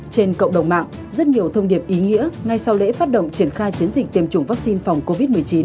trên cộng đồng mạng rất nhiều thông điệp ý nghĩa ngay sau lễ phát động triển khai chiến dịch tiêm chủng vaccine phòng covid một mươi chín